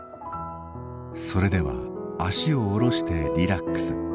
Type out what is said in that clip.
それでは脚を下ろしてリラックス。